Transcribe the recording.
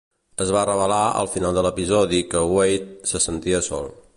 Es va revelar al final de l"episodi que Wade se sentia sol.